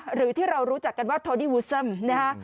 หรือที่เรารู้จักกันว่าโทนี่วูซัมนะฮะ